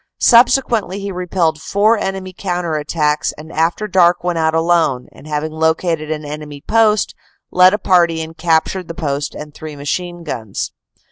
Subsequently he repelled four enemy counter at OPERATIONS: SEPT. 30 OCT. 2. CONTINUED 269 tacks, and after dark went out alone, and having located an enemy post, led a party and captured the post and three machine guns.